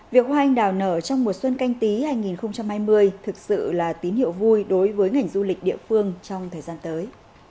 việc hoa anh đào nở trong mùa xuân canh tí hai nghìn hai mươi thực sự là tín hiệu vui đối với ngành du lịch địa phương trong thời gian tới